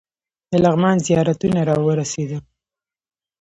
د لغمان زیارتونه راورسېدل.